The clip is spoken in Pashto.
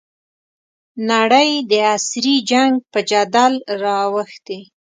نړۍ د عصري جنګ په جدل رااوښتې.